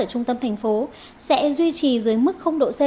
ở trung tâm thành phố sẽ duy trì dưới mức độ c